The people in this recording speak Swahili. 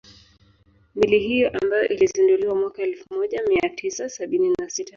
Meli hiyo ambayo ilizinduliwa mwaka elfu moja mia tisa sabini na sita